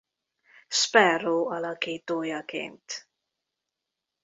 Sparrow alakítójaként.